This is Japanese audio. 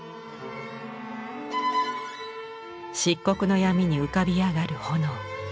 漆黒の闇に浮かび上がる炎。